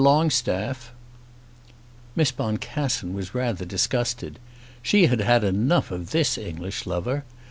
Longstaff." Miss Boncassen was rather disgusted. She had had enough of this English lover.